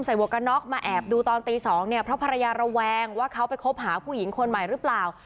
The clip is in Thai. หวกกันน็อกมาแอบดูตอนตี๒เนี่ยเพราะภรรยาระแวงว่าเขาไปคบหาผู้หญิงคนใหม่หรือเปล่า